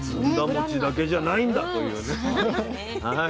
ずんだ餅だけじゃないんだというね。